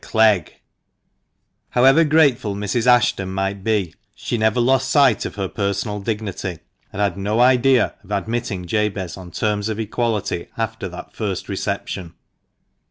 CLEGG ! OWEVER grateful Mrs. Ashton might be she never lost sight of her personal dignity, and had no idea of admitting Jabez on terms of equality after that first reception.